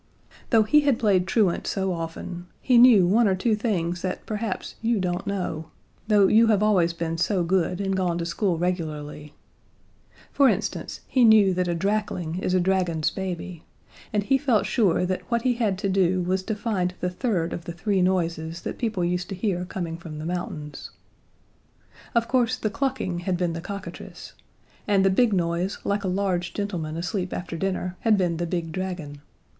Though he had played truant so often, he knew one or two things that perhaps you don't know, though you have always been so good and gone to school regularly. For instance, he knew that a drakling is a dragon's baby, and he felt sure that what he had to do was to find the third of the three noises that people used to hear coming from the mountains. Of course, the clucking had been the cockatrice, and the big noise like a large gentleman asleep after dinner had been the big dragon.